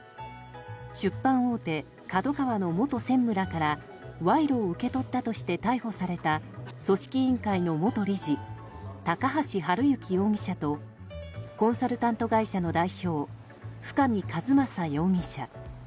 出版大手ＫＡＤＯＫＡＷＡの元専務らから賄賂を受け取ったとして逮捕された組織委員会の元理事高橋治之容疑者とコンサルタント会社の代表深見和政容疑者。